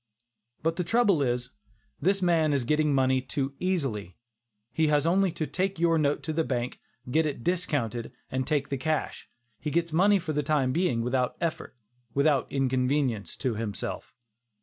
But the trouble is, this man is getting money too easily. He has only to take your note to the bank, get it discounted and take the cash. He gets money for the time being without effort; without inconvenience to himself.